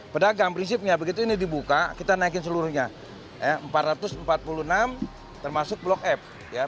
pedagang prinsipnya begitu ini dibuka kita naikin seluruhnya empat ratus empat puluh enam termasuk blok f